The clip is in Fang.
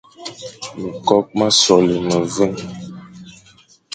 Mekokh ma sola meveñ,